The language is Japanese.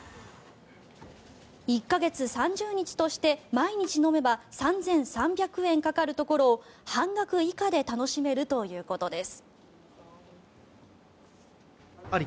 １か月３０日として毎日飲めば３３００円かかるところを半額以下で楽しめるということです。